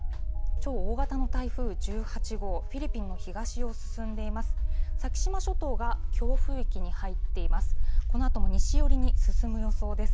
超大型の台風１８号、フィリピンの東を進んでいます。